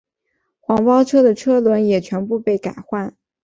黄包车的车轮也全部被改换。